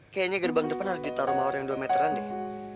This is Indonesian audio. kayaknya gerbang depan harus ditaruh mawar yang dua meteran deh